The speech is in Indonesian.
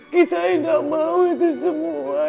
kita tidak mau itu semua ya allah